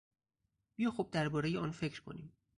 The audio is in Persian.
بیا خوب دربارهی آن فکر کنیم.